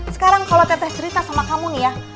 sekarang kalau teteh cerita sama kamu nih ya